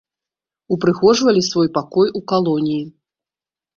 Упрыгожвалі свой пакой у калоніі.